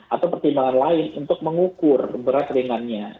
atau pertimbangan lain untuk mengukur berat ringannya